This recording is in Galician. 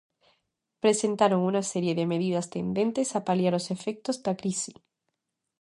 Presentaron unha serie de medidas tendentes a paliar os efectos da crise.